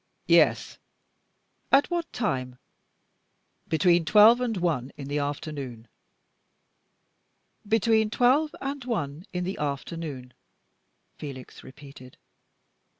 "Yes." "At what time?" "Between twelve and one in the afternoon." "Between twelve and one in the afternoon," Felix repeated.